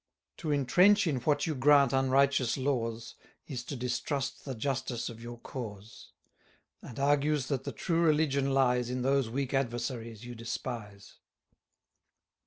To intrench in what you grant unrighteous laws, Is to distrust the justice of your cause; And argues that the true religion lies In those weak adversaries you despise.